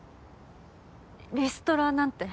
リストラなんて。